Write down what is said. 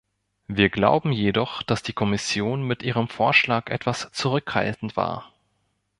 Wir glauben jedoch, dass die Kommission mit ihrem Vorschlag etwas zurückhaltend war.